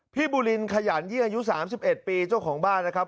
บุรินขยันยี่อายุ๓๑ปีเจ้าของบ้านนะครับ